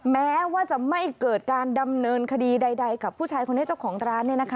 แม้ว่าจะไม่เกิดการดำเนินคดีใดกับผู้ชายคนนี้เจ้าของร้าน